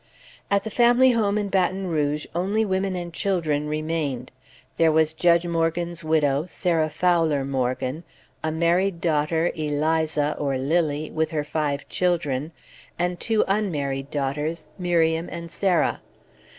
At the family home in Baton Rouge, only women and children remained. There was Judge Morgan's widow, Sarah Fowler Morgan; a married daughter, Eliza or "Lilly," with her five children; and two unmarried daughters, Miriam and Sarah.